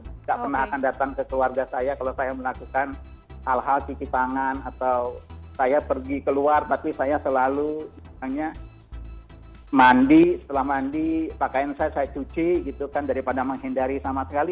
tidak pernah akan datang ke keluarga saya kalau saya melakukan hal hal cuci tangan atau saya pergi keluar tapi saya selalu misalnya mandi setelah mandi pakaian saya saya cuci gitu kan daripada menghindari sama sekali